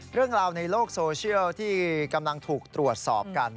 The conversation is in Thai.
เรื่องราวในโลกโซเชียลที่กำลังถูกตรวจสอบกัน